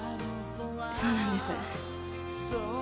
そうなんです。